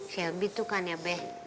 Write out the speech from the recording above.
selby tuh kan ya be